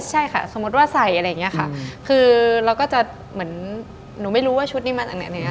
ใช่ค่ะสมมุติว่าใส่อะไรอย่างนี้ค่ะคือเราก็จะเหมือนหนูไม่รู้ว่าชุดนี้มาจากไหน